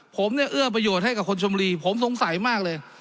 ผมเนี่ยเอื้อประโยชน์ให้กับคนชมรีผมสงสัยมากเลย